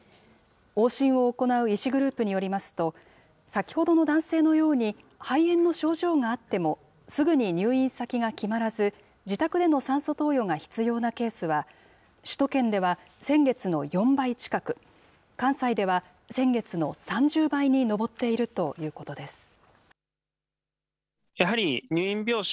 往診を行う医師グループによりますと、先ほどの男性のように、肺炎の症状があっても、すぐに入院先が決まらず、自宅での酸素投与が必要なケースは、首都圏では先月の４倍近く、関西では先月の３０倍に上っているということです。